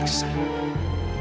kamu akan terkesan